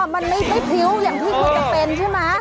มันไม่พริ้วอย่างที่คุณจะเป็นใช่ไหม